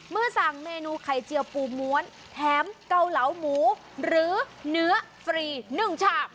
สั่งเมนูไข่เจียวปูม้วนแถมเกาเหลาหมูหรือเนื้อฟรี๑ชาม